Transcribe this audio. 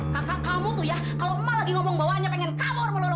kakak kamu tuh ya kalau emang lagi ngomong bawahannya pengen kabur melulu